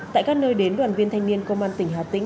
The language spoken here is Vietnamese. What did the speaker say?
tại các nơi đến đoàn viên thanh niên công an tỉnh hà tĩnh